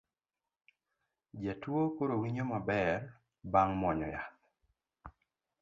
Jatuo koro winjo maber bang' muonyo yath